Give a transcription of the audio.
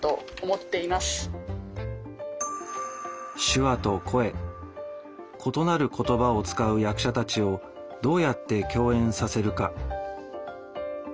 手話と声異なる言葉を使う役者たちをどうやって共演させるか。